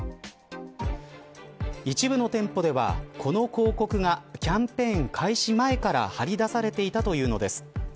一部の店舗ではこの広告がキャンペーン開始前から貼り出されていたというのです。